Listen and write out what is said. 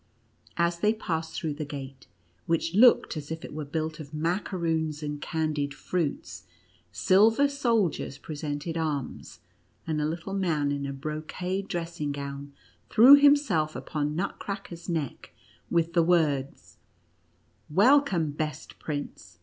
As they passed through the gate, which looked as if it were built of macaroons and candied fruits, silver soldiers presented arms, and a little man in a brocade dressing gown threw himself upon Nutcracker's neck, with the words :" Welcome, best prince